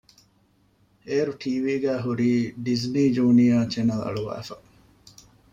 އޭރު ޓީވީގައި ހުރީ ޑިޒްނީ ޖޫނިއަރ ޗެނެލް އަޅުވައިފަ